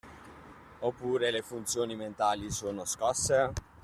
Oppure le funzioni mentali sono scosse?